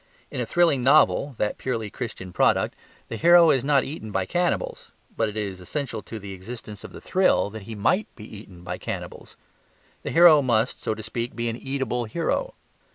In a thrilling novel (that purely Christian product) the hero is not eaten by cannibals; but it is essential to the existence of the thrill that he MIGHT be eaten by cannibals. The hero must (so to speak) be an eatable hero.